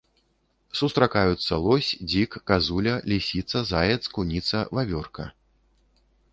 Сустракаюцца лось, дзік, казуля, лісіца, заяц, куніца, вавёрка.